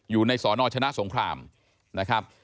อยู่ในสอนอชนะสงครามนะครับ